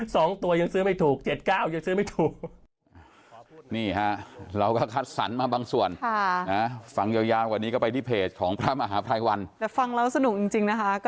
สองตัวยังซื้อไม่ถูกเจ็ดเก้ายังซื้อไม่ถูก